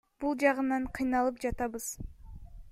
Бул жагынан кыйналып жатабыз.